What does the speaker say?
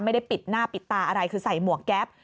ไม่ได้ปิดหน้าปิดตาอะไรคือใส่หมวกแก๊ป